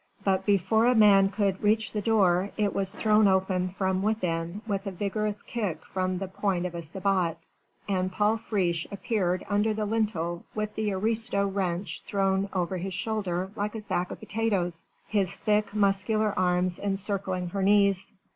But before the man could reach the door, it was thrown open from within with a vigorous kick from the point of a sabot, and Paul Friche appeared under the lintel with the aristo wench thrown over his shoulder like a sack of potatoes, his thick, muscular arms encircling her knees.